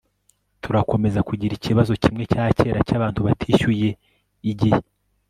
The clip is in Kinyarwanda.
turakomeza kugira ikibazo kimwe cyakera cyabantu batishyuye igihe